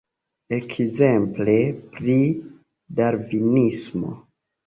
Ekzemple pri Darvinismo.